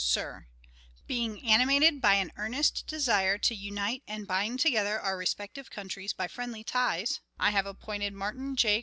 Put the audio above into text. _ "Sir: Being animated by an earnest desire to unite and bind together our respective countries by friendly ties, I have appointed Martin J.